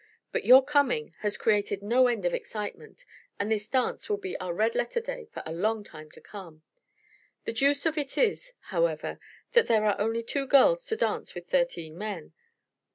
But your coming has created no end of excitement and this dance will be our red letter day for a long time to come. The deuce of if is, however, that there are only two girls to dance with thirteen men.